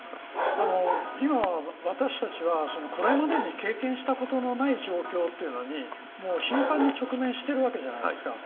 今、私たちはこれまでに経験したことのない状況というのに頻繁に直面しているわけじゃないですか。